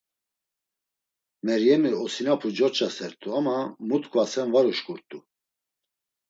Meryemi, osinapu coç̌asert̆u ama mu t̆ǩvasen var uşǩurt̆u.